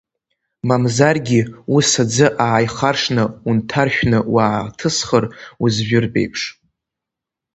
Мамзаргьы, ус аӡы ааихаршны унҭаршәны уааҭысхыр, узжәыртә еиԥш?